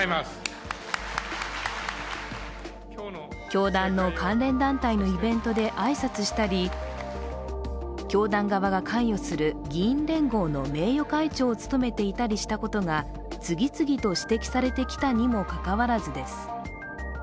教団の関連団体のイベントで挨拶したり、教団側が関与する議員連合の名誉会長を務めていたりしたことが次々と指摘されてきたにもかかわらずです。